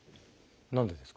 何でですか？